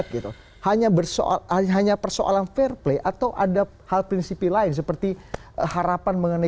gitu hanya bersoal hanya persoalan fair play atau ada hal prinsipi lain seperti harapan mengenai